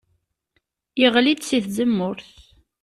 Yeɣli-d si tzemmurt.